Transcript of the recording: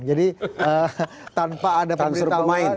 jadi tanpa ada perbedaan